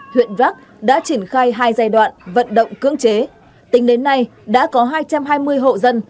huyện đắk đã triển khai hai giai đoạn vận động cưỡng chế tính đến nay đã có hai trăm hai mươi hộ dân